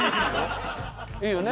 いいよね？